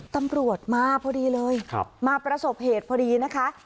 ตำรวจมาพอดีเลยมาประสบเหตุพอดีนะคะ